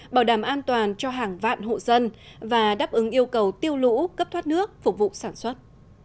bảo đảm an toàn cho hàng vạn hộ dân và đáp ứng yêu cầu tiêu lũ cấp thoát nước phục vụ sản xuất